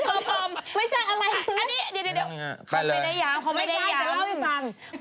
เดี๋ยวเขาไม่ได้ย้ำ